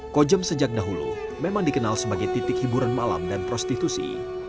kojem sejak dahulu memang dikenal sebagai titik hiburan malam dan prostitusi